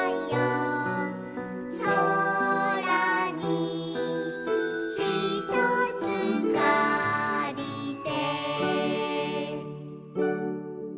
「そらにひとつかりて」